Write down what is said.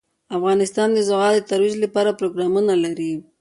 افغانستان د زغال د ترویج لپاره پروګرامونه لري.